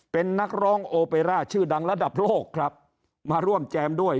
เป็นนักร้องโอเปร่าชื่อดังระดับโลกครับมาร่วมแจมด้วย